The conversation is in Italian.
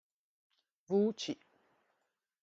Wu Chi